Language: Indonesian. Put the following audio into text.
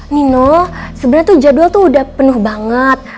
nino sebenarnya tuh jadwal tuh udah penuh banget